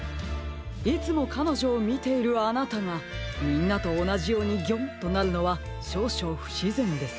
いつもかのじょをみているあなたがみんなとおなじように「ギョン！」となるのはしょうしょうふしぜんです。